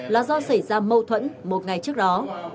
là do xảy ra mâu thuẫn một ngày trước đó